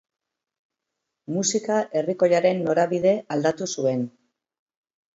Musika herrikoiaren norabide aldatu zuen.